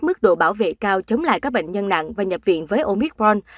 mức độ bảo vệ cao chống lại các bệnh nhân nặng và nhập viện với omicron